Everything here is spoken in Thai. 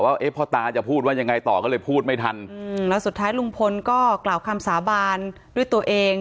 ว่าพ่อตาจะพูดว่ายังไงต่อก็เลยพูดไม่ทันอืมแล้วสุดท้ายลุงพลก็กล่าวคำสาบานด้วยตัวเอง